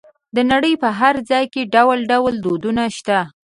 د نړۍ په هر ځای کې ډول ډول دودونه شته.